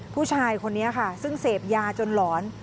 ผู้ชายคนนี้ค่ะซึ่งเสพยาจนหลอน